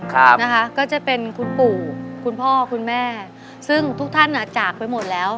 ครับนะคะก็จะเป็นคุณปู่คุณพ่อคุณแม่ซึ่งทุกท่านอ่ะจากไปหมดแล้ว